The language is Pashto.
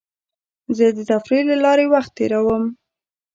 زه د تفریح له لارې وخت تېرووم.